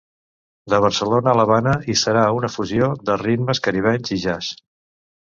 De Barcelona a l’Havana i serà una fusió de ritmes caribenys i jazz.